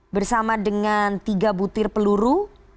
bersama dengan tiga butir peluru